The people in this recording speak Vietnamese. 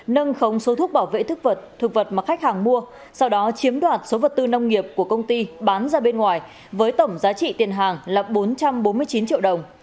nâng khống số thuốc bảo vệ thực vật thực vật mà khách hàng mua sau đó chiếm đoạt số vật tư nông nghiệp của công ty bán ra bên ngoài với tổng giá trị tiền hàng là bốn trăm bốn mươi chín triệu đồng